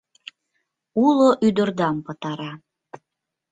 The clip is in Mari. Уло ӱдырдам пытара.